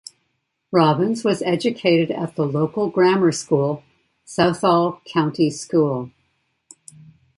Robbins was educated at the local grammar school, Southall county school.